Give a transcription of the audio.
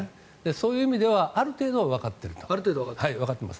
そういう意味ではある程度はわかっています。